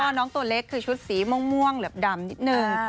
น้องตัวเล็กคือชุดสีม่วงเหลือบดำนิดนึง